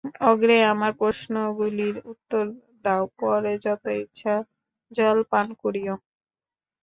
অগ্রে আমার প্রশ্নগুলির উত্তর দাও, পরে যত ইচ্ছা জল পান করিও।